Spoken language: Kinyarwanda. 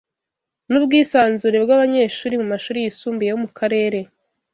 n'ubwisanzure bw'abanyeshuri mu mashuri yisumbuye yo mu karere